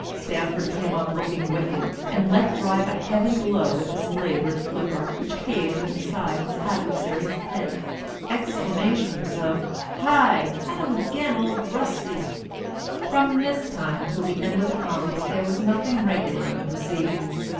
Stanford came up looking wicked, and let drive a heavy blow with his larboard flipper which caved in the side of his adversary's head. (Exclamations of "Hi! at him again Old Rusty!") From this time until the end of the conflict, there was nothing regular in the proceedings.